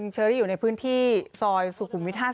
เชอรี่อยู่ในพื้นที่ซอยสุขุมวิท๕๐